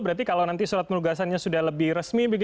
berarti kalau nanti surat penugasannya sudah lebih resmi